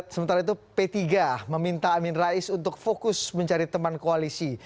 sementara itu p tiga meminta amin rais untuk fokus mencari teman koalisi